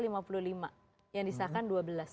dan prioritasnya lima puluh lima yang disahkan dua belas